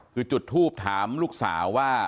คือจุดทูปถามลูกสาวว่า